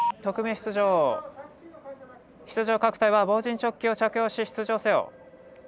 出場各隊は防刃チョッキを着用して出場せよ。